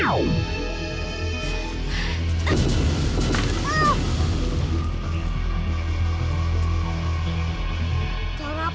lukisan itu bergerak